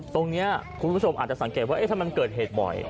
คุณผู้ชมอาจจะสังเกตว่าถ้ามันเกิดเหตุบ่อย